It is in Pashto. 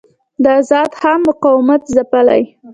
د آزاد خان مقاومت ځپلی.